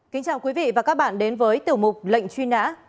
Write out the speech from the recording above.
kính chào quý vị và các bạn đến với tiểu mục lệnh truy nã